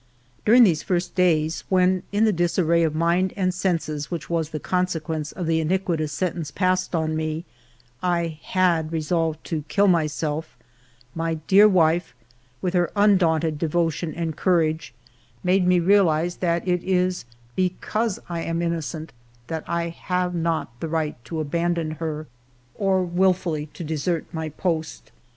During these first days, when, in the disarray of mind and senses which was the consequence of the iniquitous sentence passed on me, I had resolved to kill myself, my dear wife, with her undaunted devotion and courage, made me realize that it is because I am innocent that I have not the right to abandon her or wilfully to desert my post.